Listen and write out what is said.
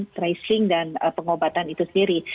tracing dan pengobatan itu sendiri